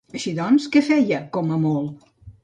Així doncs, què feia, com a molt?